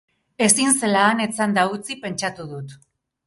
Ezin zela han etzanda utzi pentsatu dut.